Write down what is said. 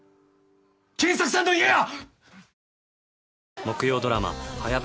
賢作さんの家や！